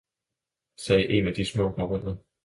sagde en af de små baroner.